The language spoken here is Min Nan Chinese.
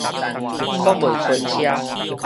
講袂伸捙